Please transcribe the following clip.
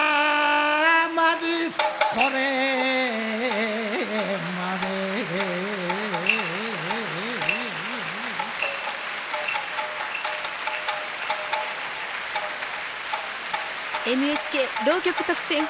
まずこれまで「ＮＨＫ浪曲特選冬」